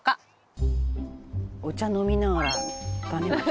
「お茶飲みながら種まき」